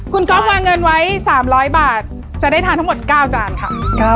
คุณก๊อฟวางเงินไว้๓๐๐บาทจะได้ทานทั้งหมด๙จานค่ะ